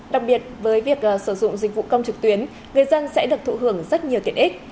đặc biệt với việc sử dụng dịch vụ công trực tuyến người dân sẽ được thụ hưởng rất nhiều tiện ích